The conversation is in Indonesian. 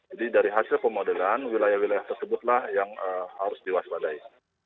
jadi dari hasil pemodelan wilayah wilayah tersebutlah yang harus diwaspadai